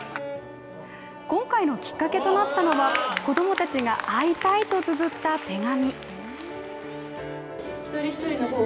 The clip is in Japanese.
今回のきっかけとなったのは子供たちが会いたいとつづった手紙。